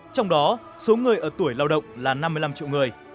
trong đó số người ở tuổi lao động là năm mươi năm triệu người